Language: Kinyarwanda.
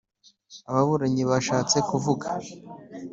ababuranyi bashatse kuvuga